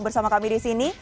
bersama kami disini